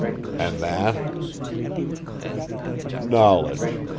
"And that?" "Knowledge!